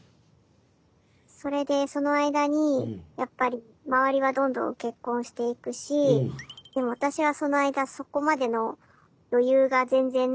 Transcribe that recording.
それでその間にやっぱり周りはどんどん結婚していくしでも私はその間そこまでの余裕が全然ない。